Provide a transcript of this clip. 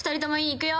いくよ。